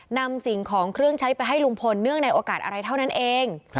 นำสิ่งของเครื่องใช้ไปให้ลุงพลเนื่องในโอกาสอะไรเท่านั้นเอง